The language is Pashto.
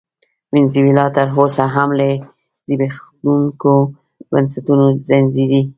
وینزویلا تر اوسه هم له زبېښونکو بنسټونو رنځېږي.